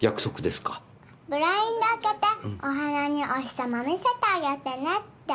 ブラインド開けてお花にお日様見せてあげてねって。